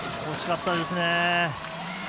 惜しかったですね。